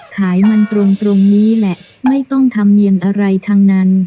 ขายมันตรงนี้แหละไม่ต้องทำเนียนอะไรทั้งนั้น